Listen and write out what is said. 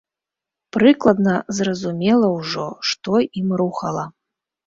Прыкладна зразумела ўжо, што ім рухала.